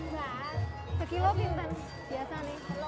sekilo apa itu biasanya